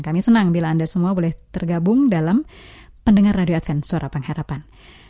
kami senang bila anda semua boleh tergabung dalam pendengar radio advent suara pengharapan